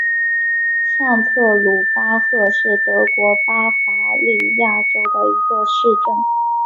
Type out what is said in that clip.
上特鲁巴赫是德国巴伐利亚州的一个市镇。